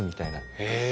へえ！